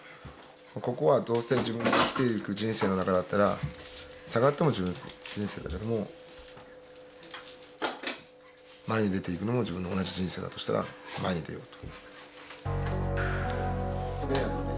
ここはどうせ自分が生きていく人生の中だったら下がっても自分の人生だけども前に出ていくのも自分の同じ人生だとしたら前に出ようと。